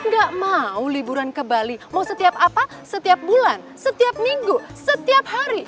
gak mau liburan ke bali mau setiap apa setiap bulan setiap minggu setiap hari